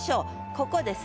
ここです。